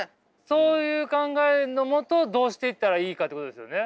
そういう考えのもとどうしていったらいいかっていうことですよね。